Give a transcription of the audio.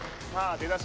出だし